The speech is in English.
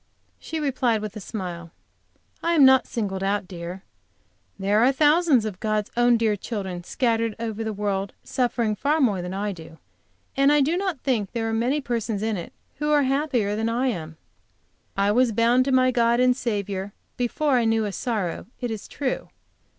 She replied, with a smile: "I am not singled out, dear. There are thousands of God's own dear children, scattered over the world, suffering far more than I do. And I do not think there are many persons in it who are happier than I am. I was bound to my God and Saviour before I knew a sorrow, it is true.